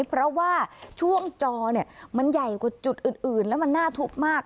เพราะว่าช่วงจอเนี่ยมันใหญ่กว่าจุดอื่นแล้วมันน่าทุกข์มาก